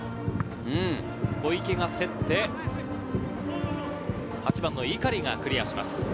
小池が競って、８番の碇がクリアします。